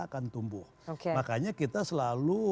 akan tumbuh makanya kita selalu